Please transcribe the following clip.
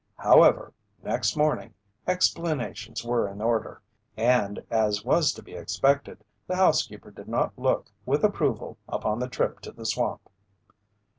However, next morning, explanations were in order, and as was to be expected, the housekeeper did not look with approval upon the trip to the swamp.